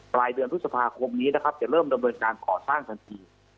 ปลายเดือนพฤษภาคมนี้นะครับจะเริ่มดำเนินการก่อสร้างทันที